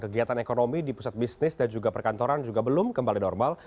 kegiatan ekonomi di pusat bisnis dan juga perkantoran juga belum kembali normal